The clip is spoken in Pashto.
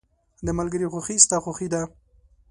• د ملګري خوښي ستا خوښي ده.